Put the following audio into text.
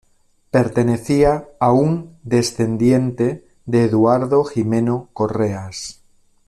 Pertenecía a un descendiente de Eduardo Jimeno Correas.